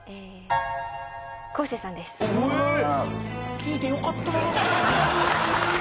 「聞いてよかったぁ」